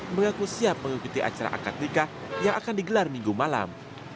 mengaku siap mengikuti acara akad nikah yang akan digelar minggu malam